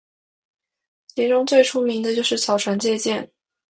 其中最出名的就是草船借箭。